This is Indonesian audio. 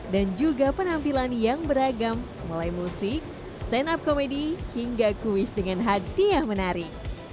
dan juga penampilan yang beragam mulai musik stand up komedi hingga kuis dengan hadiah menari